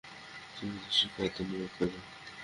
তিনি হাদীস শিক্ষায় আত্মনিয়োগ করেন ।